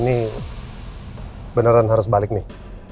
ini beneran harus balik nih